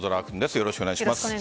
よろしくお願いします。